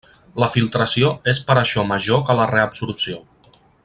La filtració és per això major que la reabsorció.